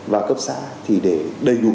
và cấp xã để đầy đủ